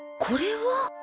これは？